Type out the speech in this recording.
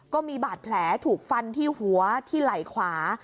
ก็มีบาดแผลถูกฟันที่หัวที่ไหล่ขวา